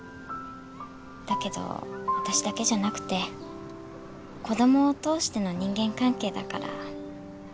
だけど私だけじゃなくて子供を通しての人間関係だから。